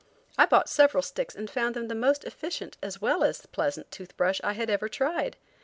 I bought several sticks and found them the most efficient as well as pleasant tooth brush I had ever tried.